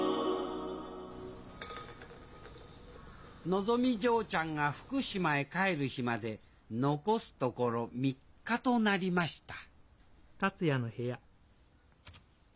のぞみ嬢ちゃんが福島へ帰る日まで残すところ３日となりましたん。